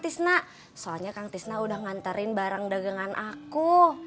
tisna soalnya kang tisna udah nganterin barang dagangan aku